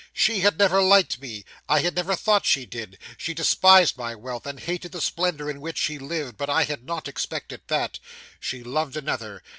She had never liked me; I had never thought she did: she despised my wealth, and hated the splendour in which she lived; but I had not expected that. She loved another.